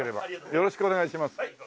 よろしくお願いします。